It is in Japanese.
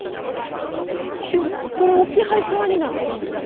でもこれ置き配「可」になってるんです。